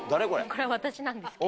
これ私なんですけど。